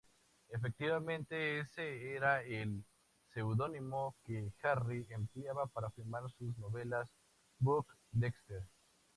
Efectivamente ese era el seudónimo que Harry empleaba para firmar sus novelas, Buck Dexter.